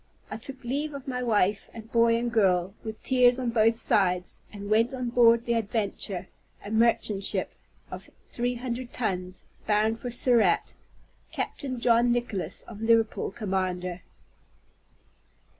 I took leave of my wife and boy and girl, with tears on both sides, and went on board the Adventure, a merchant ship, of three hundred tons, bound for Surat, Captain John Nicholas of Liverpool, commander.